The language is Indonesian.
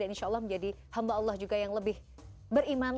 dan insya allah menjadi hamba allah juga yang lebih beriman